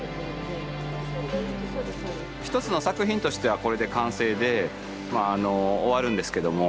一つの作品としてはこれで完成でまああの終わるんですけども。